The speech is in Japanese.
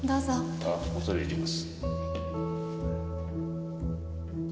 ああ恐れ入ります。